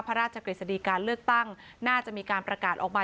พระราชกฤษฎีการเลือกตั้งน่าจะมีการประกาศออกมา